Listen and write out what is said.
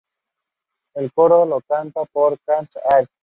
El coro lo canta por Kon Artis.